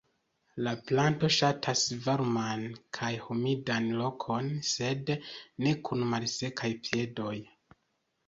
La planto ŝatas varman kaj humidan lokon, sed ne kun "malsekaj piedoj".